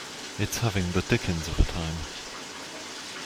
It's having the dickens of a time.